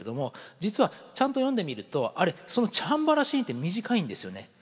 実はちゃんと読んでみるとあれそのチャンバラシーンって短いんですよね。